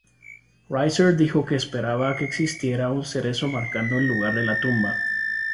Reiser dijo que esperaba que existiera un cerezo marcando el lugar de la tumba.